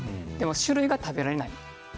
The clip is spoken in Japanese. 種類が食べられない。